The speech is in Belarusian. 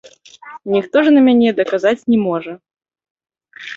Ніхто ж на мяне даказаць не можа.